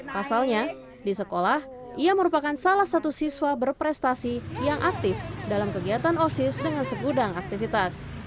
pasalnya di sekolah ia merupakan salah satu siswa berprestasi yang aktif dalam kegiatan osis dengan segudang aktivitas